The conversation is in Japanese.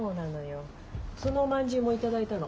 そのおまんじゅうも頂いたの。